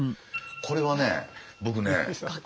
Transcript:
これはね僕ね。